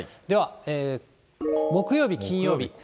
では、木曜日、金曜日。